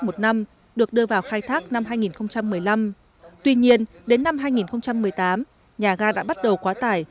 một năm được đưa vào khai thác năm hai nghìn một mươi năm tuy nhiên đến năm hai nghìn một mươi tám nhà ga đã bắt đầu quá tải